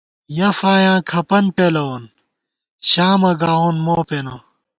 یَہ فایاں کھپَن پېلَوون ،شامہ گاوون مو پېنہ